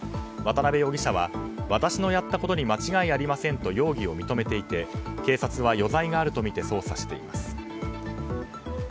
渡辺容疑者は私のやったことに間違いありませんと容疑を認めていて警察は余罪があるとみて捜査しています。